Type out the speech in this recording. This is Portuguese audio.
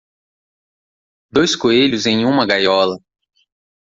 Dois coelhos em uma gaiola.